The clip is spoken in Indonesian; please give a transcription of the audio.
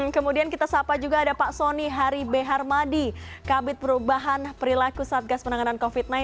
kemudian kita sapa juga ada pak soni hari b harmadi kabit perubahan perilaku satgas penanganan covid sembilan belas